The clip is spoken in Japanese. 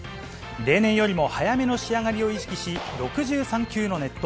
例年よりも早めの仕上がりを意識し、６３球の熱投。